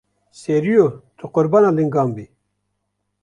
Seriyo tu qurbana lingan bî.